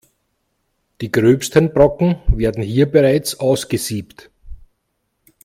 Die gröbsten Brocken werden hier bereits ausgesiebt.